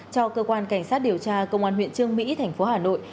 cho cơ quan cảnh sát điều tra công an huyện trương mỹ thành phố hà nội